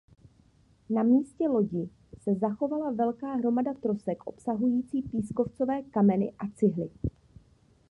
Na místě lodi se zachovala velká hromada trosek obsahující pískovcové kameny a cihly.